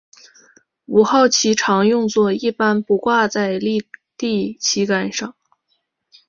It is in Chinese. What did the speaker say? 五号旗常用作一般不挂在立地旗杆上。